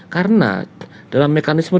karena dalam mekanisme